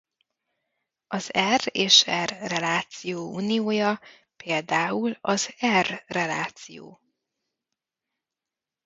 Az r és r reláció uniója például az r reláció.